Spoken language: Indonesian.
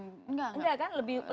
enggak kan lebih rendah lagi